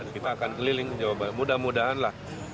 kita akan keliling jawa barat mudah mudahan lah